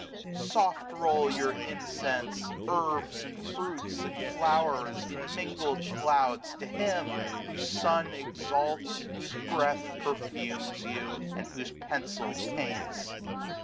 ^^ Soft roll your incense, herbs, andfruits, andflow'rs. In mingled clouds to Him ; whose sun exalts. Whose breath perfumes you, and whose pencil paints.